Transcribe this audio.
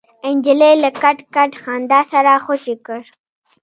نجلۍ له کټ کټ خندا سره خوشې کړ.